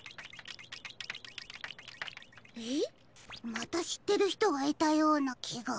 またしってるひとがいたようなきが。